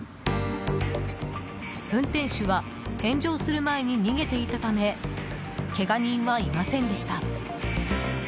運転手は炎上する前に逃げていたためけが人はいませんでした。